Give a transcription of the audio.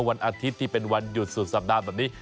วันอาทิตย์ที่เป็นวันหยุดสุดสัปดาห์แบบนี้